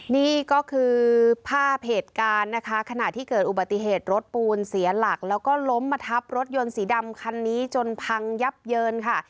นี่ก็คือภาพเหตุการณ์นะคะขณะที่เกิดอุบัติเหตุรถปูนเสียหลักแล้วก็ล้มมาทับรถยนต์สีดำคันนี้จนพังยับเยินค่ะ